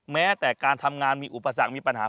แม้แต่การทำงานมีอุปสรรคมีปัญหา